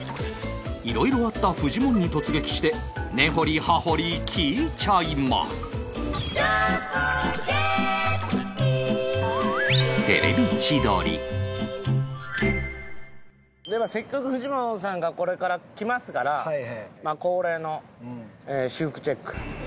いろいろあったフジモンに突撃して根掘り葉掘り聞いちゃいますではせっかくフジモンさんがこれから来ますから恒例の私服チェック。